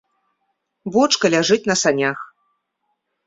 Бочка ляжыць на санях.